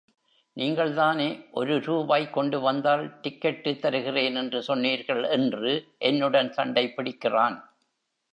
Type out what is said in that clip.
நீங்கள்தானே ஒரு ரூபாய் கொண்டு வந்தால் டிக்கட்டு தருகிறேன் என்று சொன்னீர்கள்? என்று என்னுடன் சண்டை பிடிக்கிறான்.